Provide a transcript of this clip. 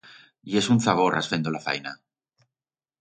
Yes un zaborras fendo la faena.